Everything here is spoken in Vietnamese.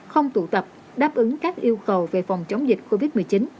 không tụ tập đáp ứng các yêu cầu về phòng chống dịch covid một mươi chín